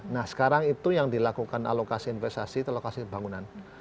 nah sekarang itu yang dilakukan alokasi investasi alokasi bangunan